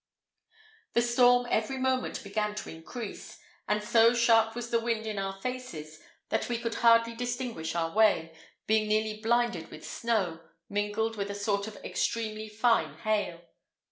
The storm every moment began to increase, and so sharp was the wind in our faces, that we could hardly distinguish our way, being nearly blinded with snow, mingled with a sort of extremely fine hail.